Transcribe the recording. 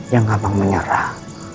yang gampang menyerah